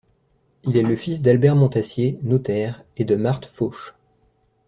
Il est le fils d'Albert Montassier, notaire, et de Marthe Fauche.